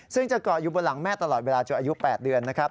ซึ่งจะเกาะอยู่บนหลังแม่ตลอดเวลาจนอายุ๘เดือนนะครับ